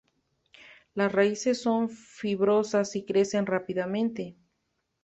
Las raíces son fibrosas y crecen rápidamente.